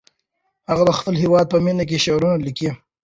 هغه د خپل هېواد په مینه کې شعرونه لیکي.